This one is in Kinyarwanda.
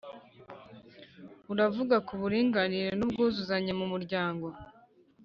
Uravuga ku buringanire n’ubwuzuzanye mu muryango.